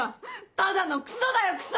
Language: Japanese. ただのクソだよクソ！